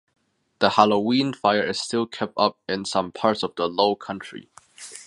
The Halloween fire is still kept up in some parts of the Low country.